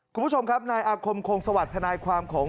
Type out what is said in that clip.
คุณผู้ชมครับนายอาคมคงสวัสดิ์ทนายความของ